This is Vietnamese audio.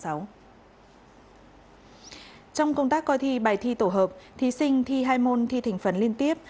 trong công tác coi thi bài thi tổ hợp thí sinh thi hai môn thi thành phần liên tiếp